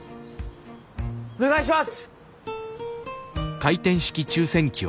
お願いします！